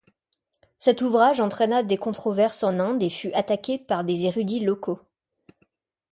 Cet ouvrage entraîna des controverses en Inde et fut attaqué par des érudits locaux.